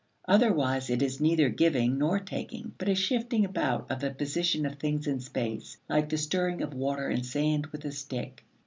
Otherwise, it is neither giving nor taking, but a shifting about of the position of things in space, like the stirring of water and sand with a stick.